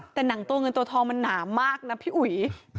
แต่หนังตัวเงินตัวทองมันหนามากนะพี่อุ๋ย